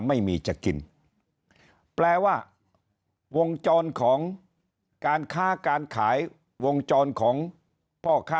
ไม่มีจะกินแปลว่าวงจรของการค้าการขายวงจรของพ่อค้า